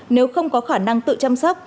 nếu không có khả năng tự chăm sóc